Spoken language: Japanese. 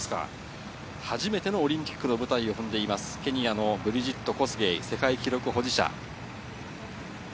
初めてのオリンピックの舞台を踏んでいるケニアのブリジット・コスゲイ、世界記録保持者。